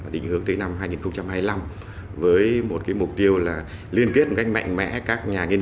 định hướng tới năm hai nghìn hai mươi năm với một mục tiêu là liên kết một cách mạnh mẽ